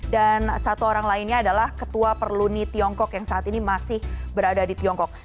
dan satu orang lainnya adalah ketua perluni tiongkok yang saat ini masih berada di tiongkok